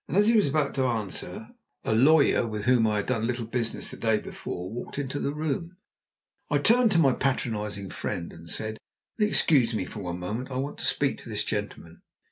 As he was about to answer, a lawyer, with whom I had done a little business the day before, walked into the room. I turned to my patronising friend and said, "Will you excuse me for one moment? I want to speak to this gentleman."